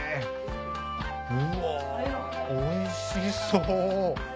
うわおいしそう！